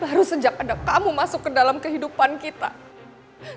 baru sejak ada kamu masuk ke dalam kehidupan kita kami sudah berhenti mempercayai kamu